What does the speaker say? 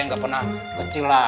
enggak pernah kecil lah